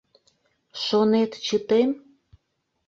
Шонет, чытем?